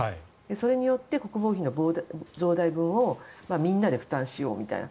それによって国防費の増大分をみんなで負担しようみたいな。